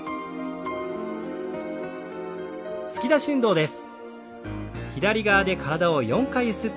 突き出し運動です。